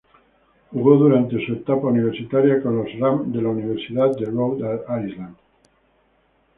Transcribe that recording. Jugó durante su etapa universitaria con los "Rams" de la Universidad de Rhode Island.